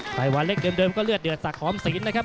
ไฟวันเล็กเดิมก็เลือดเดือดสักหอมศีลนะครับ